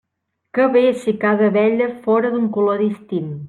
Que bé si cada abella fóra d'un color distint!